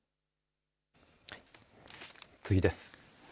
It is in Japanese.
次です。